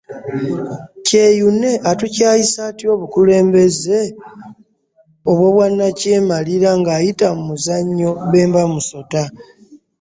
Kyeyune atukyayisa atya obukulembeze obw'obwannakyemalira ng’ayita mu muzannyo Bemba Musota?